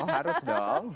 oh harus dong